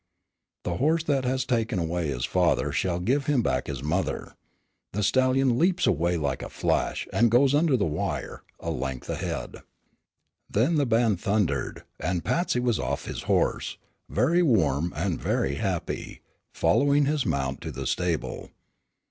The horse that has taken away his father shall give him back his mother. The stallion leaps away like a flash, and goes under the wire a length ahead. Then the band thundered, and Patsy was off his horse, very warm and very happy, following his mount to the stable.